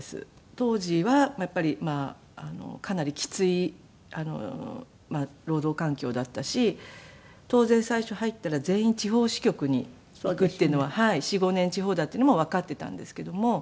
当時はやっぱりかなりきつい労働環境だったし当然最初入ったら全員地方支局に行くっていうのは４５年地方だっていうのもわかっていたんですけども。